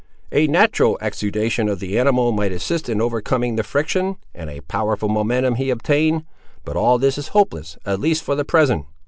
A natural exudation of the animal might assist in overcoming the friction, and a powerful momentum be obtained. But all this is hopeless—at least for the present!"